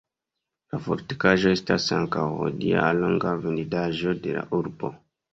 La fortikaĵo estas ankaŭ hodiaŭ alloga vidindaĵo de la urbo.